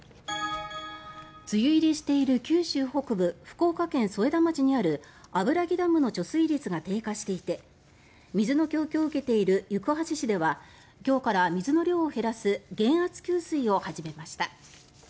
梅雨入りしている九州北部福岡県添田町にある油木ダムの貯水率が低下していて水の供給を受けている行橋市では今日から水の量を減らす減圧給水を始めました。